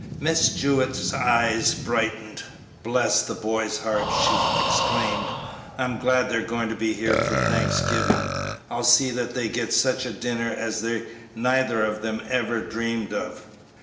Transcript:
Miss Jewett's eyes brightened. "Bless the boy's heart!" she exclaimed; "I'm glad they're going to be here for Thanksgiving; I'll see that they get such a dinner as they neither of them ever dreamed of!"